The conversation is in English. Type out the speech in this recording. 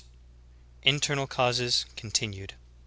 INTERNAL CAUSES, — CONTINUED.